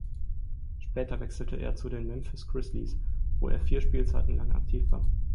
Später wechselte er zu den Memphis Grizzlies, wo er vier Spielzeiten lang aktiv war.